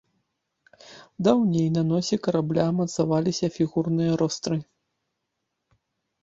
Даўней на носе карабля мацаваліся фігурныя ростры.